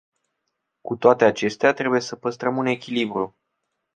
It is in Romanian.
Cu toate acestea, trebuie sa păstrăm un echilibru.